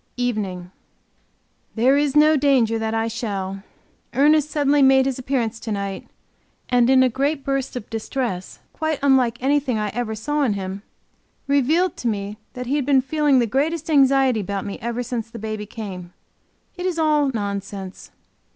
EVENING. There is no danger that I shall. Ernest suddenly made his appearance to night, and in a great burst of distress quite unlike anything I ever saw in him, revealed to me that he had been feeling the greatest anxiety about me ever since the baby came. It is all nonsense.